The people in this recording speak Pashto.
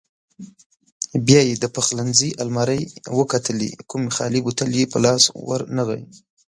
بیا یې د پخلنځي المارۍ وکتلې، کوم خالي بوتل یې په لاس ورنغی.